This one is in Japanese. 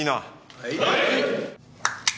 はい！